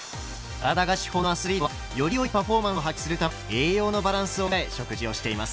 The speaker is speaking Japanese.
体が資本のアスリートはよりよいパフォーマンスを発揮するために栄養のバランスを考え食事をしています。